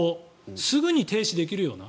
すぐに停止できるような。